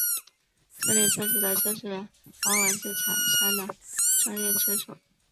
这类测试的测试人往往是厂商的专业车手。